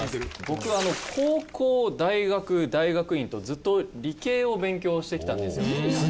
僕は高校大学大学院とずっと理系を勉強してきたんですよ。